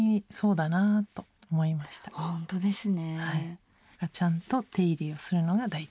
だからちゃんと手入れをするのが大事。